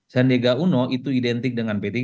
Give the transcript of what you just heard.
sandiaga uno itu identik dengan p tiga